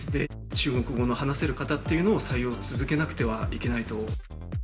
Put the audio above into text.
中国語の話せる方っていうのを採用を続けなくてはいけないと。